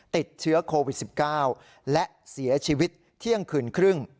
ติดเชื้อโควิด๑๙และเสียชีวิตเที่ยงคืนครึ่ง